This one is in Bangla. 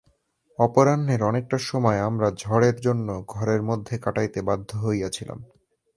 অপরাহ্নের অনেকটা সময় আমরা ঝড়ের জন্য ঘরের মধ্যে কাটাইতে বাধ্য হইয়াছিলাম।